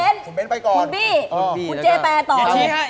คุณเบ้นคุณบี้คุณเจ๊แปรต่อ